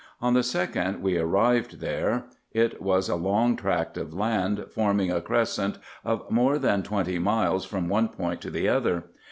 On the 2d we arrived there ; it was a long tract of land, forming a crescent of more than twenty miles, from one point to the other.